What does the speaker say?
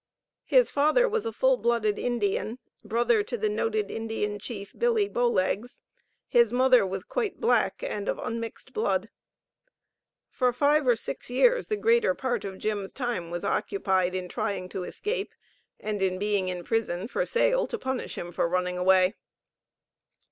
His father was a full blooded Indian, brother to the noted Indian Chief, Billy Bowlegs; his mother was quite black and of unmixed blood. For five or six years, the greater part of Jim's time was occupied in trying to escape, and in being in prison for sale, to punish him for running away.